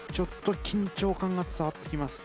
緊張感が伝わって来ます。